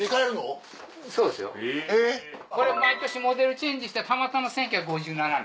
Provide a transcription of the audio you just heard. そうですよこれ毎年モデルチェンジしてたまたま１９５７年。